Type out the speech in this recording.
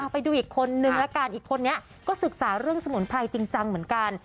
ไปดูอีกคนนึงละกันอีกคนนี้ก็ศึกษาเรื่องสมุนไพรจริงจังเหมือนกัน